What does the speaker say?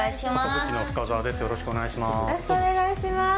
よろしくお願いします。